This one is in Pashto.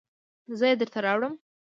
زه یې درته راوړم